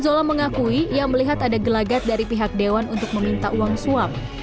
zola juga mengakui bahwa pihak dprd jambi tahun dua ribu delapan belas tidak pernah mendengar langsung ada permintaan uang swab